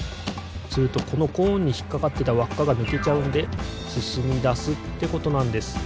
するとこのコーンにひっかかってたわっかがぬけちゃうのですすみだすってことなんです。